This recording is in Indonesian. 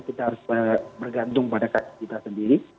kita harus bergantung pada kasus kita sendiri